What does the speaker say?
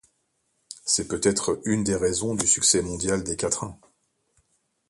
C'est peut-être une des raisons du succès mondial des quatrains.